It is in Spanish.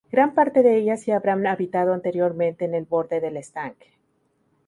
Gran parte de ellas ya habrán habitado anteriormente en el borde del estanque.